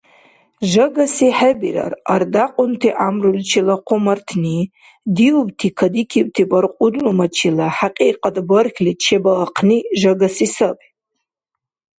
Жагаси хӀебирар ардякьунти гӀямруличила хъумартни, диубти, кадикибти баркьудлумачила хӀякьикьат бархьли чебаахъни жагаси саби.